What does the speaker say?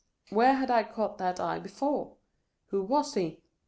Where had I caught that eye before 1 Who was he